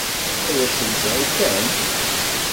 Ad as-d-alseɣ i Ken?